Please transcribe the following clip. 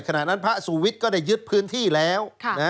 ขณะนั้นพระสูวิทย์ก็ได้ยึดพื้นที่แล้ว